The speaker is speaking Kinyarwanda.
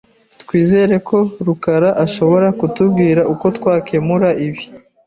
Twizere ko rukara ashobora kutubwira uko twakemura ibi .